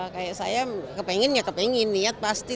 kayak saya kepengen ya kepengen niat pasti